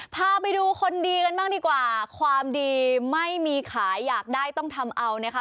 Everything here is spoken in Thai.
พาไปดูคนดีกันบ้างดีกว่าความดีไม่มีขายอยากได้ต้องทำเอานะคะ